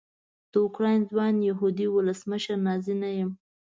د اوکراین ځوان یهودي ولسمشر نازي نه یم.